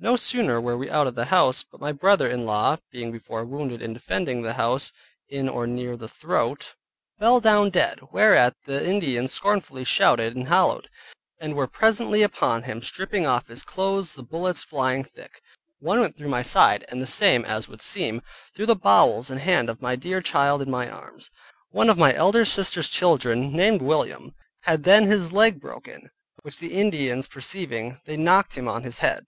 No sooner were we out of the house, but my brother in law (being before wounded, in defending the house, in or near the throat) fell down dead, whereat the Indians scornfully shouted, and hallowed, and were presently upon him, stripping off his clothes, the bullets flying thick, one went through my side, and the same (as would seem) through the bowels and hand of my dear child in my arms. One of my elder sisters' children, named William, had then his leg broken, which the Indians perceiving, they knocked him on [his] head.